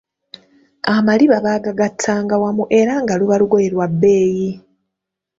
Amaliba baagagattanga wamu era nga luba lugoye lwa bbeeyi.